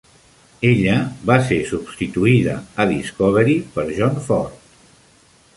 Ella va ser substituïda a Discovery per John Ford.